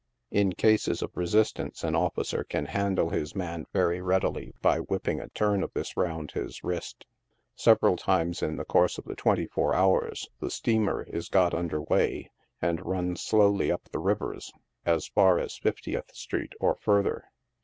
In cases of resistance, an officer can handle hi;s man very readily by whipping a turn of this round his wrist. Several times in the course of the twenty four hours, the steamer is got under weigh, and run slowly up the rivers as far as Fiftieth street, or further.